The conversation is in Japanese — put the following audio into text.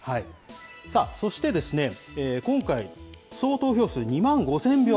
そして、今回、総投票数２万５０００票。